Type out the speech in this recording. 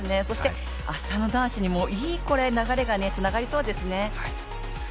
そして明日の男子にもいい流れがつながりそうですね。